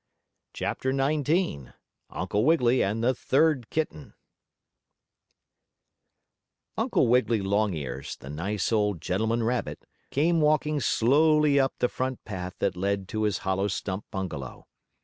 CHAPTER XIX UNCLE WIGGILY AND THE THIRD KITTEN Uncle Wiggily Longears, the nice old gentleman rabbit, came walking slowly up the front path that led to his hollow stump bungalow.